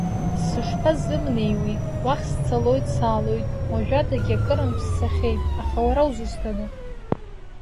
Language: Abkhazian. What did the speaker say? Сышԥазымнеиуеи, уахь сцалоит, саалоит, уажәадагьы акырынтә сцахьеит, аха уара узусҭада?